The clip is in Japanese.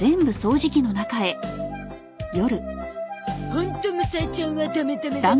ホントむさえちゃんはダメダメだな。